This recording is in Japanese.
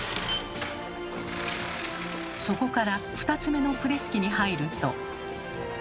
そこから２つ目のプレス機に入ると。